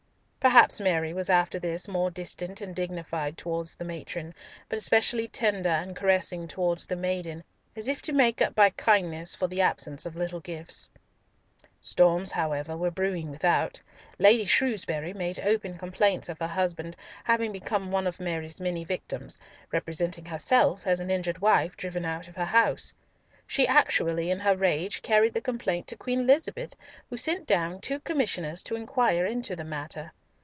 Perhaps Mary was after this more distant and dignified towards the matron, but especially tender and caressing towards the maiden, as if to make up by kindness for the absence of little gifts. Storms, however, were brewing without. Lady Shrewsbury made open complaints of her husband having become one of Mary's many victims, representing herself as an injured wife driven out of her house. She actually in her rage carried the complaint to Queen Elizabeth, who sent down two commissioners to inquire into the matter.